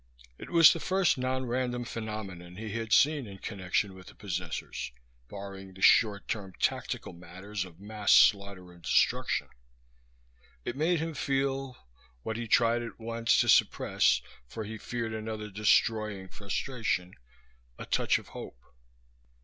It was the first non random phenomenon he had seen in connection with the possessors, barring the short term tactical matters of mass slaughter and destruction. It made him feel what he tried at once to suppress, for he feared another destroying frustration a touch of hope.